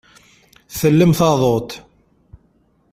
Tellem taḍuṭ.